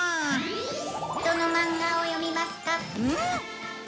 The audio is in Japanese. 「どのマンガを読みますか？」